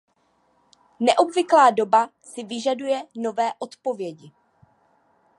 Neobvyklá doba si vyžaduje nové odpovědi.